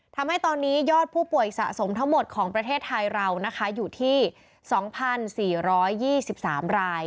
ทำให้ตอนนี้ยอดผู้ป่วยสะสมทั้งหมดของประเทศไทยเรานะคะอยู่ที่สองพันสี่ร้อยยี่สิบสามราย